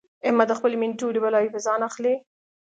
احمد د خپلې مینې ټولې بلاوې په ځان اخلي.